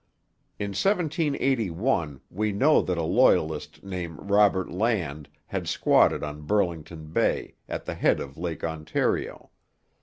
In 1781 we know that a Loyalist named Robert Land had squatted on Burlington Bay, at the head of Lake Ontario.